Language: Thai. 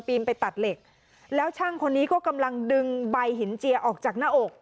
ไปตัดเหล็กแล้วช่างคนนี้ก็กำลังดึงใบหินเจียออกจากหน้าอก